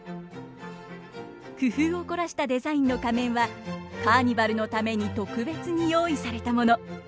工夫を凝らしたデザインの仮面はカーニバルのために特別に用意されたもの。